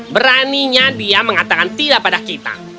beraninya dia mengatakan tidak pada kita